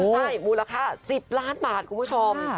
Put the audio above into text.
ใช่มูลค่า๑๐ล้านบาทคุณผู้ชม